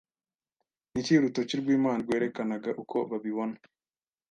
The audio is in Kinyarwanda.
Niki urutoki rwImana rwerekanaga uko babibona